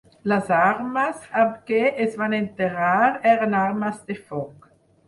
Les armes amb què es van enterrar eren armes de foc.